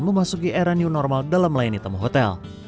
memasuki era new normal dalam layan hitam hotel